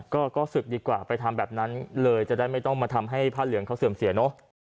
ก็ศึกดีกว่าไปทำแบบนั้นเลยจะได้ไม่ต้องมาทำให้ผ้าเหลืองเขาเสื่อมเสียเนอะ